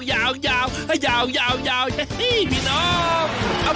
ยาวพี่น้อแสวเล่นนะครับ